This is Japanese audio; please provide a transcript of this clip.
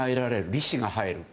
利子が入る。